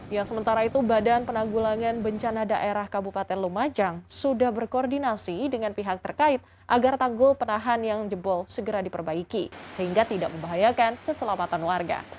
yang sementara itu badan penanggulangan bencana daerah kabupaten lumajang sudah berkoordinasi dengan pihak terkait agar tanggul penahan yang jebol segera diperbaiki sehingga tidak membahayakan keselamatan warga